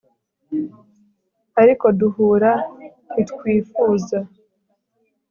Ariko guhura ntitwifuza